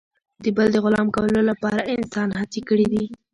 د بل د غلام کولو لپاره انسان هڅې کړي دي.